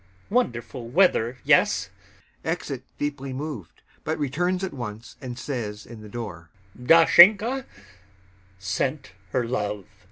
Wonderful weather... yes.... [Exit deeply moved, but returns at once and says in the door] Dashenka sent her love!